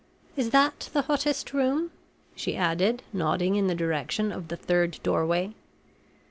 Is that the hottest room?" she added, nodding in the direction of the third doorway.